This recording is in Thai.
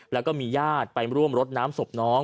แล้วก็มีญาติไปร่วมรดน้ำศพน้อง